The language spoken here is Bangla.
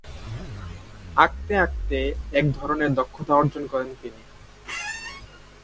আঁকতে আঁকতে এক ধরনের দক্ষতা অর্জন করেন তিনি।